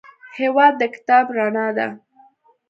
هېواد د کتاب رڼا ده.